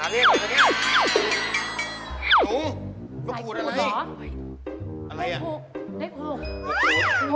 อะไรอ่ะ